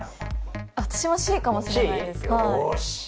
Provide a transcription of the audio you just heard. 私もＣかもしれないです